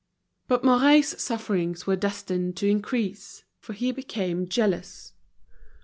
But Mouret's sufferings were destined to increase, for he became jealous.